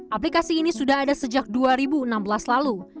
aplikasi ini sudah ada sejak dua ribu enam belas lalu